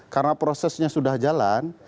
karena prosesnya sudah jalan